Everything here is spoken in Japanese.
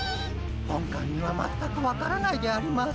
本官には全く分からないであります。